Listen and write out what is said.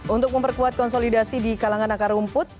untuk memperkuat konsolidasi di kalangan akar rumput